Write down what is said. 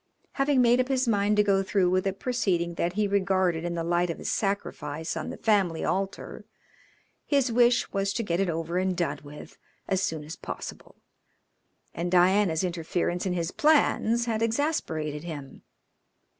Having made up his mind to go through with a proceeding that he regarded in the light of a sacrifice on the family altar, his wish was to get it over and done with as soon as possible, and Diana's interference in his plans had exasperated him.